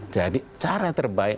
jadi cara terbaik